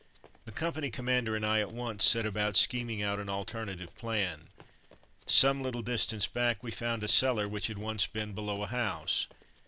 The company commander and I at once set about scheming out an alternative plan. Some little distance back we found a cellar which had once been below a house.